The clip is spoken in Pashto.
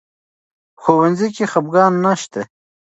په ښوونځي کې خفګان نه شته.